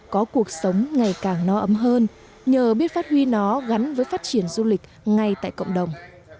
có cuộc sống ngày càng no ấm hơn nhờ biết phát huy nó gắn với phát triển du lịch ngay tại cộng đồng